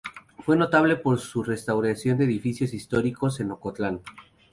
Fue notable por su restauración de edificios históricos en Ocotlán.